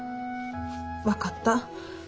分かった。